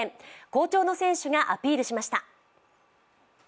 好調の選手がアピールしました。